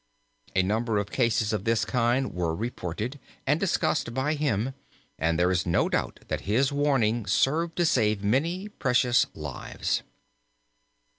A number of cases of this kind were reported and discussed by him, and there is no doubt that his warning served to save many precious lives.